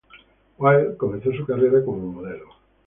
Wilde comenzó su carrera como modelo.